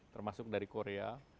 termasuk dari korea